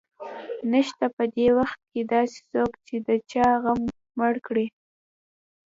نشته په دې وخت کې داسې څوک چې د چا غم مړ کړي